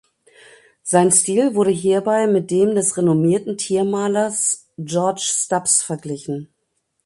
Sein Stil wurde hierbei mit dem des renommierten Tiermalers George Stubbs verglichen.